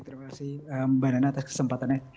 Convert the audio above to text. terima kasih mbak nana atas kesempatannya